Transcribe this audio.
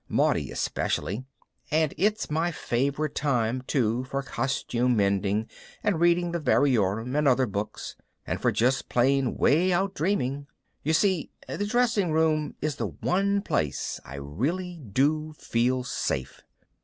Maudie especially. And it's my favorite time too for costume mending and reading the Variorum and other books, and for just plain way out dreaming. You see, the dressing room is the one place I really do feel safe.